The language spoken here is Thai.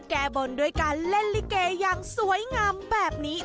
แก้บนด้วยการเล่นลิเกอย่างสวยงามแบบนี้